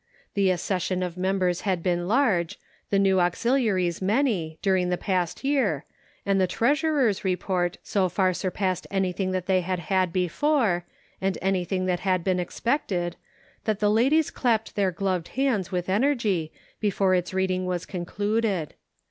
The accession of members had been large, the new auxiliaries many, during the past year, and the treasurer's report so far surpassed anything that they had had before, and anything that had been expected, that the ladies clapped their gloved hands with energy, before its reading was concluded.